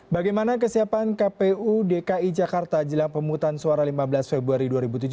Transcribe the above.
bagaimana kesiapan kpu dki jakarta jelang pemutusan suara lima belas februari dua ribu tujuh belas